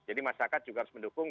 jadi masyarakat juga harus mendukung